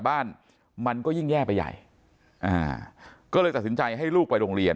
บ้านมันก็ยิ่งแย่ไปใหญ่อ่าก็เลยตัดสินใจให้ลูกไปโรงเรียน